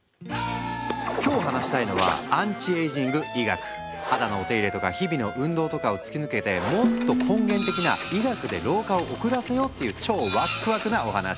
今日話したいのは肌のお手入れとか日々の運動とかを突き抜けてもっと根源的な医学で老化を遅らせようっていう超ワックワクなお話。